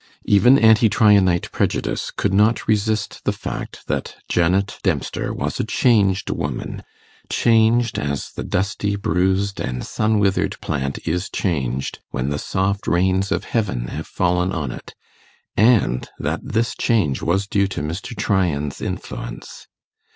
Even anti Tryanite prejudice could not resist the fact that Janet Dempster was a changed woman changed as the dusty, bruised, and sun withered plant is changed when the soft rains of heaven have fallen on it and that this change was due to Mr. Tryan's influence.